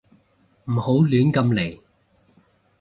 唔好亂咁嚟